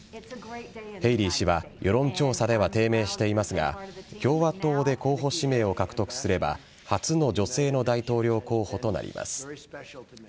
ヘイリー氏は世論調査では低迷していますが共和党で候補指名を獲得すれば初の女性の大統領候補となります。